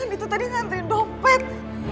itu tadi ngantriin dompet